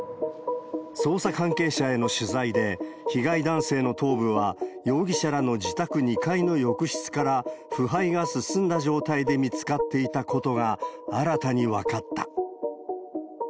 捜査関係者への取材で、被害男性の頭部は、容疑者らの自宅２階の浴室から、腐敗が進んだ状態で見つかっていたことが新たに分かった。